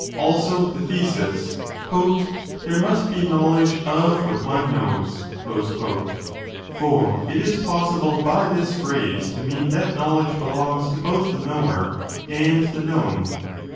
Also the thesis, There must be knowledge of what one knows : for it is possible by this phrase to mean that knowledge belongs to both the knower and the known.